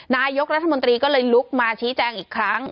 นายกรัฐมนตรีก็เลยลุกมาชี้แจงอีกครั้ง